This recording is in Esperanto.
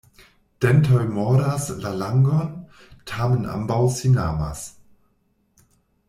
Dentoj mordas la langon, tamen ambaŭ sin amas.